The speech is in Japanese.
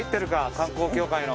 観光協会の。